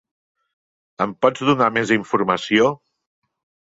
Em pots donar més informació?